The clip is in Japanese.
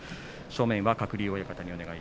正面は鶴竜親方です。